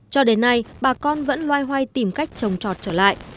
cho đến nay bà con vẫn loay hoay tìm cách trồng trọt trở lại